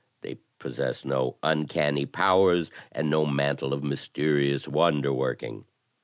They possess no imcanny powers and no mantle of mysterious wonder working.